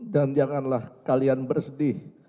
dan janganlah kalian bersedih